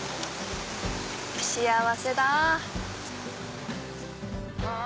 幸せだぁ。